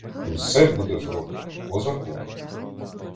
Все буде зроблено по закону.